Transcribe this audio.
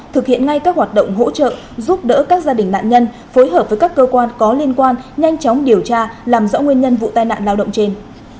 thực hiện ngay các hoạt động hỗ trợ giúp đỡ các gia đình nạn nhân phối hợp với các cơ quan có liên quan nhanh chóng điều tra làm rõ nguyên nhân vụ tai nạn lao động trên